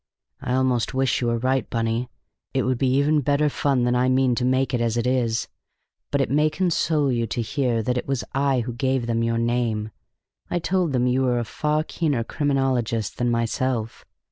"I almost wish you were right, Bunny! It would be even better fun than I mean to make it as it is. But it may console you to hear that it was I who gave them your name. I told them you were a far keener criminologist than myself.